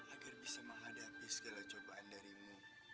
agar bisa menghadapi segala cobaan darimu